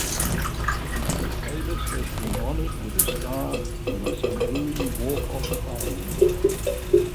Davis has been honored with a star on the Saint Louis Walk of Fame.